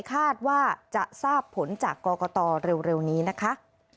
คาดว่าจะทราบผลจากกรกตเร็วนี้นะคะ